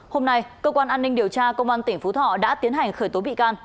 hôm nay cơ quan an ninh điều tra công an tỉnh phú thọ đã tiến hành khởi tố bị can